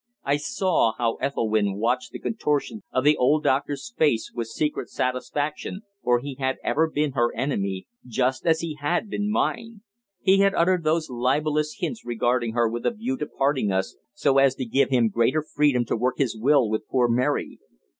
I saw how Ethelwynn watched the contortions of the old doctor's face with secret satisfaction, for he had ever been her enemy, just as he had been mine. He had uttered those libellous hints regarding her with a view to parting us, so as to give him greater freedom to work his will with poor Mary.